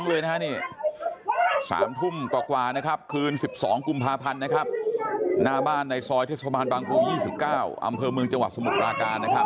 เอาก้อยมาฟาดต่อ